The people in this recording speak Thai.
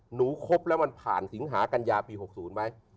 ครบแล้วมันผ่านสิงหากัญญาปี๖๐ไหม